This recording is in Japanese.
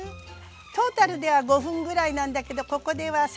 トータルでは５分ぐらいなんだけどここでは３分ぐらいかな。